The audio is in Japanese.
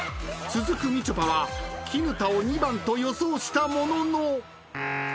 ［続くみちょぱは砧を２番と予想したものの］